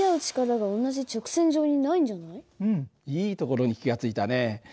これだとうんいいところに気が付いたね。